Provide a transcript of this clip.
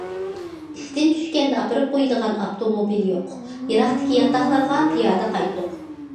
ئىشتىن چۈشكەندە ئاپىرىپ قويىدىغان ئاپتوموبىل يوق، يىراقتىكى ياتاقلارغا پىيادە قايتاتتۇق.